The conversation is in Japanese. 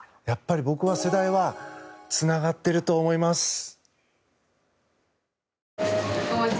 やっぱり僕は世代はつながってると思います。